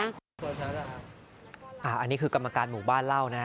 อันนี้คือคำรับคำนาการหมู่บ้านเล่าน่ะ